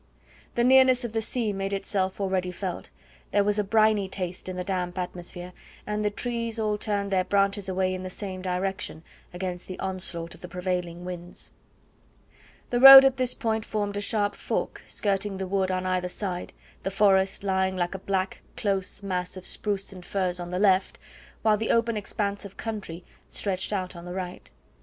The nearness of the sea made itself already felt; there was a briny taste in the damp atmosphere, and the trees all turned their branches away in the same direction against the onslaught of the prevailing winds. The road at this point formed a sharp fork, skirting the wood on either side, the forest lying like a black close mass of spruce and firs on the left, while the open expanse of country stretched out on the right.